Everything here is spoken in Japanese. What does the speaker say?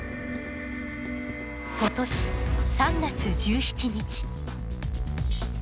今年３月１７日。